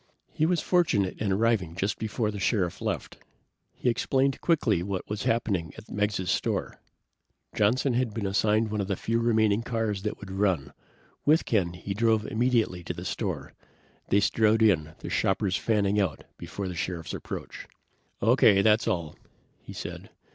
He was fortunate in arriving just before the Sheriff left. He explained quickly what was happening at Meggs' store. Johnson had been assigned one of the few remaining cars that would run. With Ken, he drove immediately to the store. They strode in, the shoppers fanning out before the Sheriff's approach. "Okay, that's all," he said.